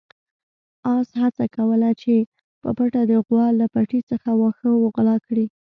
اس هڅه کوله چې په پټه د غوا له پټي څخه واښه وغلا کړي.